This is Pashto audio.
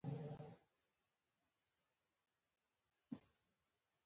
د میوو سړې خونې په کابل کې شته.